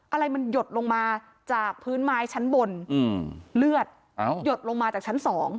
อะไรมันหยดลงมาจากพื้นไม้ชั้นบนเลือดหยดลงมาจากชั้น๒